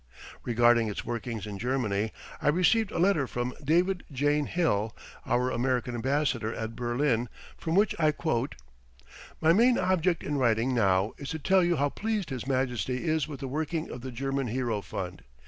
Regarding its workings in Germany, I received a letter from David Jayne Hill, our American Ambassador at Berlin, from which I quote: My main object in writing now is to tell you how pleased His Majesty is with the working of the German Hero Fund.